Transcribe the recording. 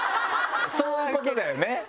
そういうことだよね。